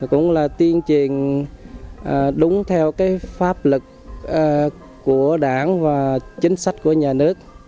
cũng là tiên truyền đúng theo pháp lực của đảng và chính sách của nhà nước